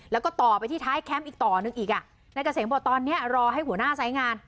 แล้วก็ต่อไปที่ท้ายแคมป์อีกต่อหนึ่งอีกอ่ะนายเกษมบอกตอนเนี้ยรอให้หัวหน้าสายงาน